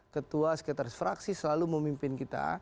ketua sekretaris fraksi selalu memimpin kita